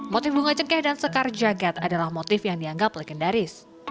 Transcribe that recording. motif bunga cengkeh dan sekar jagad adalah motif yang dianggap legendaris